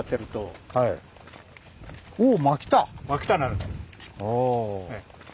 おお！